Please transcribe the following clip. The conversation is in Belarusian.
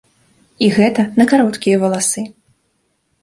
І гэта на кароткія валасы.